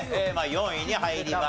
４位に入りました。